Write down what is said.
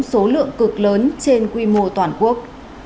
số lượng cực lớn trên quy mô toàn quốc